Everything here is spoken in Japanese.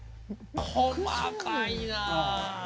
細かいなあ。